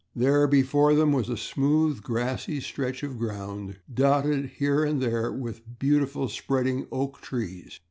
There before them was a smooth, grassy stretch of ground, dotted here and there with beautiful, spreading oak trees.